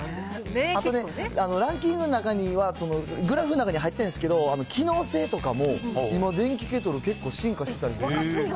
あとね、ランキングの中には、グラフの中に入ってないんですけど、機能性とかも、今、電気ケトル、結構進化してたりとか。